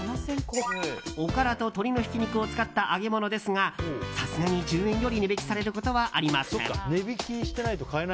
おからと鶏のひき肉を使った揚げ物ですがさすがに１０円より値引きされることはありません。